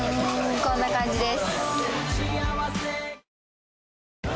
こんな感じです。